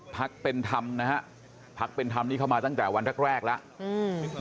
พักเป็นธรรมนะฮะพักเป็นธรรมนี้เข้ามาตั้งแต่วันแรกแรกแล้วอืม